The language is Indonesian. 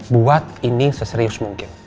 buat ini seserius mungkin